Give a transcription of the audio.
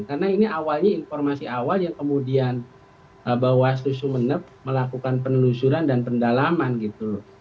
karena ini awalnya informasi awal yang kemudian bahwa sumenep melakukan penelusuran dan pendalaman gitu